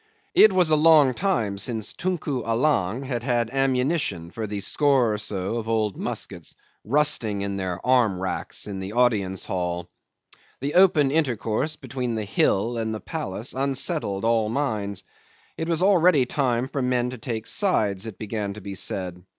It was a long time since Tunku Allang had had ammunition for the score or so of old muskets rusting in their arm racks in the audience hall. The open intercourse between the hill and the palace unsettled all the minds. It was already time for men to take sides, it began to be said.